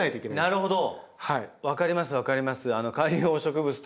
なるほど！